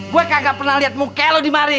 gue kagak pernah liat muka lo di mari